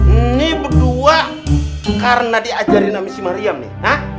ini berdua karena diajarin ame si mariam nih ha